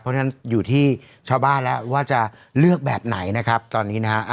เพราะฉะนั้นอยู่ที่ชาวบ้านแล้วว่าจะเลือกแบบไหนนะครับตอนนี้นะฮะ